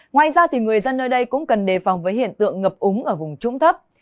ngoài ra người dân nơi đây cũng cần đề phòng với hiện tượng ngập úng ở vùng trũng thấp